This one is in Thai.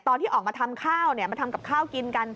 ตอนที่ออกมาทำข้าวมาทำกับข้าวกินกัน